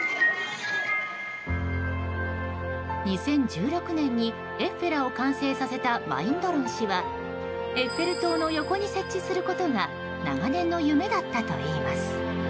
２０１６年にエッフェラを完成させたマインドロン氏はエッフェル塔の横に設置することが長年の夢だったといいます。